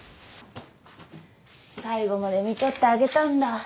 最後までみとってあげたんだ。